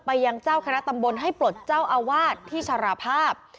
ยังเจ้าคณะตำบลให้ปลดเจ้าอาวาสที่ชราภาพ